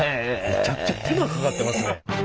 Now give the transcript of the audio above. めちゃくちゃ手間かかってますね。